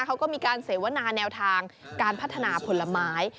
เขาก็มีการเสวนาแนวทางการพัฒนาผลไม้